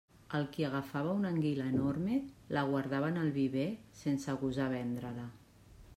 El qui agafava una anguila enorme, la guardava en el viver, sense gosar vendre-la.